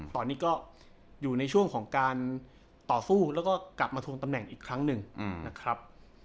ตอนนี้ก็อยู่ในช่วงของการต่อสู้แล้วก็กลับมาทวงตำแหน่งอีกครั้งหนึ่งนะครับ